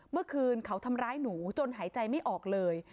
เมื่อคืนเขาทำร้ายหนูจนหายใจไม่ออกเลย